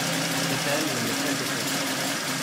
C’est elle la maîtresse d’école.